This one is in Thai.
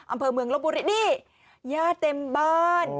อำเภอเมืองลบุริดิญาติเต็มบ้าน